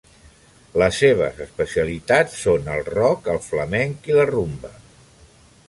Les seves especialitats són el rock, el flamenc i la rumba.